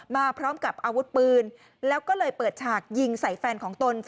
มาพร้อมกับอาวุธปืนแล้วก็เลยเปิดฉากยิงใส่แฟนของตน